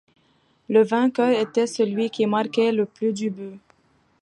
Le vainqueur était celui qui marquait le plus de buts.